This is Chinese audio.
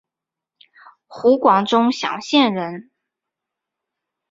湖广钟祥县人。